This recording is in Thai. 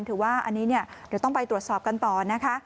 ถือว่าอันนี้เนี่ยเดี๋ยวต้องไปตรวจสอบกันต่อนะคะ